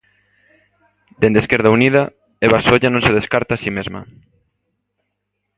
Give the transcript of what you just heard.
Dende Esquerda Unida, Eva Solla non se descarta a si mesma.